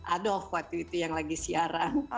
ada waktu itu yang lagi siaran